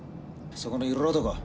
そこの色男。